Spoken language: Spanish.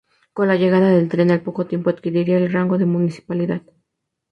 Con la llegada del tren, al poco tiempo adquiriría el rango de municipalidad.